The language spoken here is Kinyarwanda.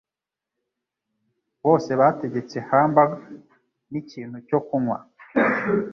Bose bategetse hamburger n'ikintu cyo kunywa.